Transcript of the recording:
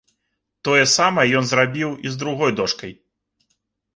Тое самае ён зрабіў і з другой дошкай.